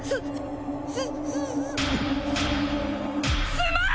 すまん！